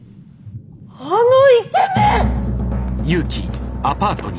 あのイケメン！